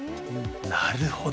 なるほど。